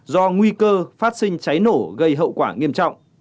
do nguy cơ phát sinh cháy nổ gây hậu quả nghiêm trọng